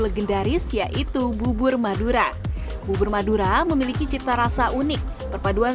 legendaris yaitu bubur madura bubur madura memiliki cita rasa unik perpaduan